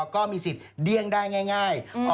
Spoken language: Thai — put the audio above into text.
ก็มีสิทธิ์เดี้ยงได้ง่าย